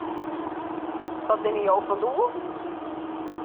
Wat binne jo fan doel?